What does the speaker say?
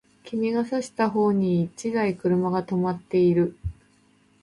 君が指差した方に一台車が止まっている